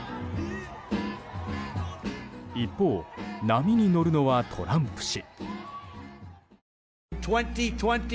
一方、波に乗るのはトランプ氏。